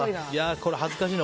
これは恥ずかしいな。